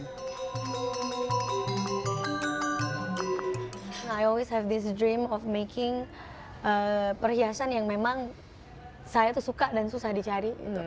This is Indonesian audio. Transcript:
saya selalu memiliki impian untuk membuat perhiasan yang memang saya suka dan susah dicari